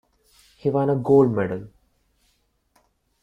He won a gold medal.